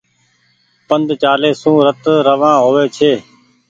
پند چآلي سون رت روآن هووي ڇي۔